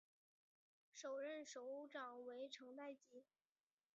首任首长为成在基。